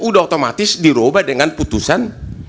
sudah otomatis diroba dengan putusan